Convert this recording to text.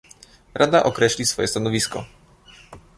Rada określi swoje stanowisko